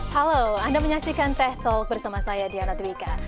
halo anda menyaksikan teh talk bersama saya diana twika